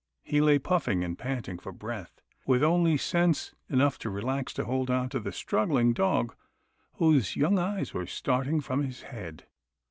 He lay puffing and panting for breath, with only sense enough to relax his hold on the struggling dog whose young eyes were starting from his head.